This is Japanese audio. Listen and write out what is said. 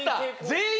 全員？